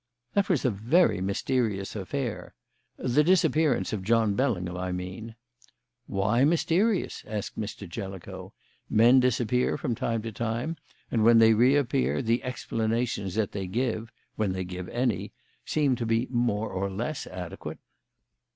"That was a very mysterious affair the disappearance of John Bellingham, I mean." "Why mysterious?" asked Mr. Jellicoe. "Men disappear from time to time, and when they reappear, the explanations that they give (when they give any) seem to be more or less adequate."